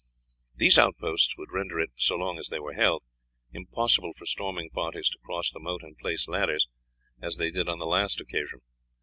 These outposts would render it so long as they were held impossible for storming parties to cross the moat and place ladders, as they did on the last occasion.